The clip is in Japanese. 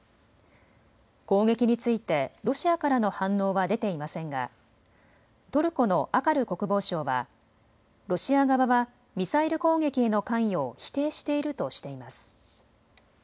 攻撃についてロシアからの反応は出ていませんがトルコのアカル国防相はロシア側はミサイル攻撃への関与を否定しているとしています。